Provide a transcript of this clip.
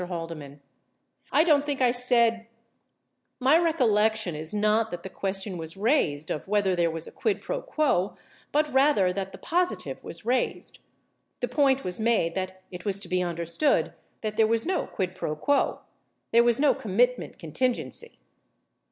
Haldeman. I don't think I said — my recollection is not that the question was raised of whether there was a quid fro quo , but rather that the positive was raised. The point was made that it was to be understood that there was no quid fro quo , there was no commitment contingency.